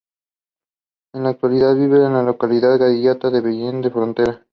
En la actualidad vive en la localidad gaditana de Vejer de la Frontera.